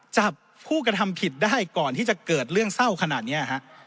จับผู้กระทำผิดได้ก่อนที่จะเกิดเรื่องเศร้าขนาดนี้ฮะ